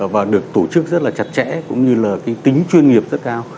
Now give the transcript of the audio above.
và được tổ chức rất là chặt chẽ cũng như là cái tính chuyên nghiệp rất cao